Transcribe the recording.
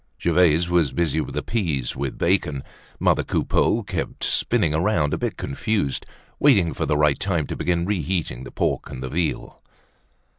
Gervaise was busy with the peas with bacon. Mother Coupeau, kept spinning around, a bit confused, waiting for the right time to begin reheating the pork and the veal.